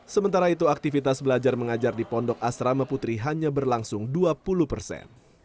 sementara itu aktivitas belajar mengajar di pondok asrama putri hanya berlangsung dua puluh persen